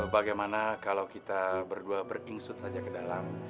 bagaimana kalo kita berdua beringsut saja ke dalam